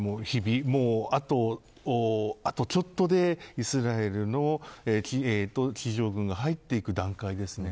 あとちょっとでイスラエルの地上軍が入っていく段階ですね。